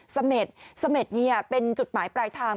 สเม็ดสเม็ดนี่เป็นจุดหมายปลายทาง